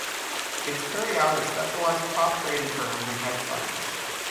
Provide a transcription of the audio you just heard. It is carried out at specialized prop trading firms and hedge funds.